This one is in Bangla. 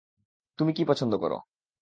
তুমি কি পছন্দ কর?